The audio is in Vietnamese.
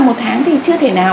một tháng thì chưa thể nào